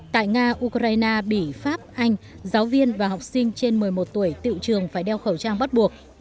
tại nga ukraine bỉ pháp anh giáo viên và học sinh trên một mươi một tuổi tự trường phải đeo khẩu trang bắt buộc